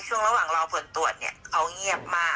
ช่วงระหว่างรอผลตรวจเนี่ยเขาเงียบมาก